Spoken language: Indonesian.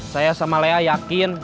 saya sama lea yakin